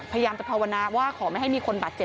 พยายามจะภาวนาว่าขอไม่ให้มีคนบาดเจ็บ